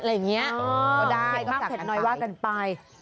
อะไรแบบนี้ก็ได้ใส่กันไปเผ็ดมากเผ็ดน้อยการทัลละฟัส